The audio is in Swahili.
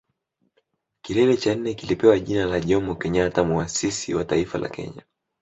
Kilele cha nne kilipewa jina la Jomo Kenyatta Muasisi wa Taifa la Kenya